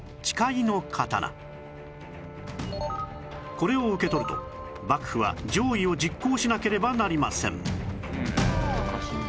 これを受け取ると幕府は攘夷を実行しなければなりません